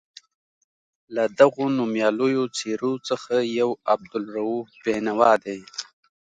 له دغو نومیالیو څېرو څخه یو عبدالرؤف بېنوا دی.